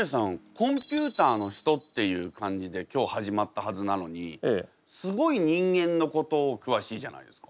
コンピューターの人っていう感じで今日始まったはずなのにすごい人間のこと詳しいじゃないですか。